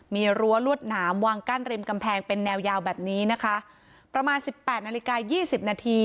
มีรั้วลวดหนามวางกั้นริมกำแพงเป็นแนวยาวแบบนี้นะคะประมาณสิบแปดนาฬิกายี่สิบนาที